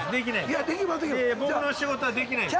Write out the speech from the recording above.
いやいや僕の仕事はできないです。